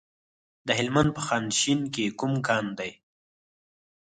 د هلمند په خانشین کې کوم کان دی؟